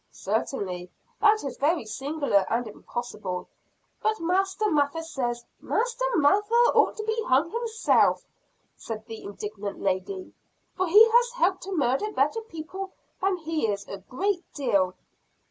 "Certainly, that is very singular and impossible; but Master Mather says " "Master Mather ought to be hung himself," said the indignant lady; "for he has helped to murder better people than he is, a great deal."